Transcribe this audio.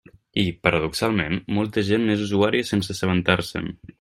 I, paradoxalment, molta gent n'és usuària sense assabentar-se'n.